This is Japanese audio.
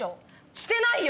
してないよ！